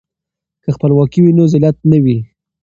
که خپلواکي وي نو ذلت نه وي.